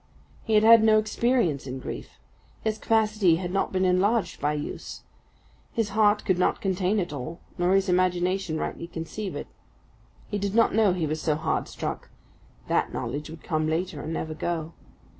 He had had no experience in grief; his capacity had not been enlarged by use. His heart could not contain it all, nor his imagination rightly conceive it. He did not know he was so hard struck; that knowledge would come later, and never go.